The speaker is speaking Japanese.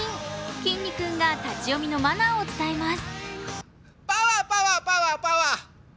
きんに君が立ち読みのマナーを伝えます。